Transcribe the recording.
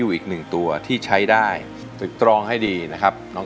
คุณยายแดงคะทำไมต้องซื้อลำโพงและเครื่องเสียง